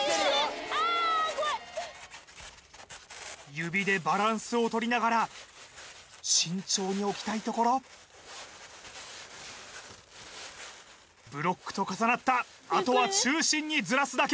指でバランスをとりながら慎重に置きたいところブロックと重なったあとは中心にずらすだけ